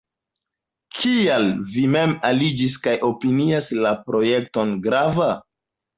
Kial vi mem aliĝis kaj opinias la projekton grava?